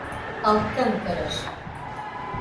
Alcântaras